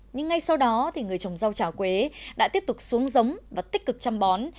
nhưng ngay sau đó người chồng rau trà quế đã tiếp tục xuống giống và tích cực chăm bón